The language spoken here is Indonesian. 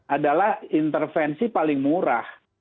adalah intervensi paling murah